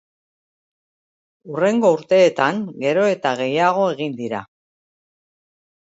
Hurrengo urteetan gero eta gehiago egin dira.